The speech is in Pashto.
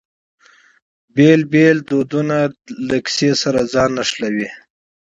بیلابیل کلتورونه له کیسې سره ځان نښلوي.